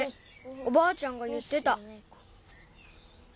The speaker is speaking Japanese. おばあちゃんがいってた。